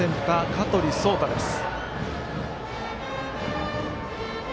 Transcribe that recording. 香取蒼太です。